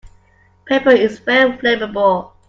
Paper is very flammable.